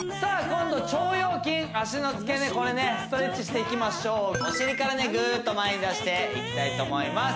今度腸腰筋脚のつけ根これねストレッチしていきましょうお尻からねグッと前に出していきたいと思います